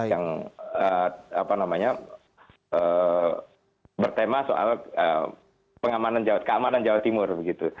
yang apa namanya bertema soal pengamanan jawa keamanan jawa timur begitu